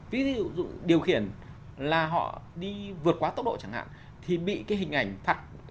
ví dụ điều khiển là họ đi vượt quá tốc độ chẳng hạn thì bị cái hình ảnh thật